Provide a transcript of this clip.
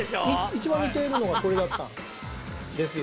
一番似ているのがこれだったんですよね。